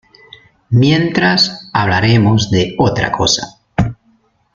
Mientras hablaremos de otra cosa.